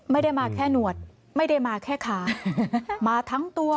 ไม่ได้มาแค่หนวดไม่ได้มาแค่ขามาทั้งตัว